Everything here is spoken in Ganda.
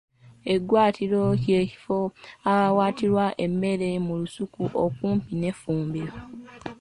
Eggwaatiro kye kifo awawaatirwa emmere mu lusuku okumpi n’effumbiro.